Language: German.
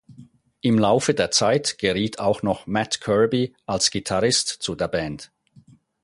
Im Laufe der Zeit geriet auch noch Matt Kirby als Gitarrist zu der Band.